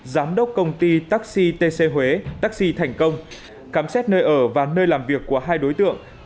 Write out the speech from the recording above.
giám đốc công ty taxi tc huế taxi thành công khám xét nơi ở và nơi làm việc của hai đối tượng